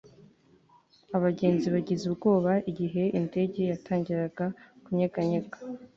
abagenzi bagize ubwoba igihe indege yatangiraga kunyeganyega